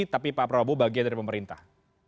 tapi pak prabowo bagian dari pemerintah